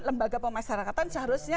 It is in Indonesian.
lembaga pemasarakatan seharusnya